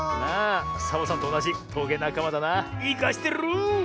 サボさんとおなじトゲなかまだな。いかしてる！